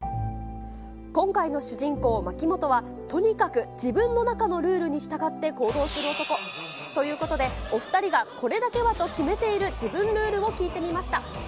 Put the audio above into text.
今回の主人公、牧本は、とにかく自分の中のルールに従って行動する男。ということで、お２人がこれだけはと決めている自分ルールを聞いてみました。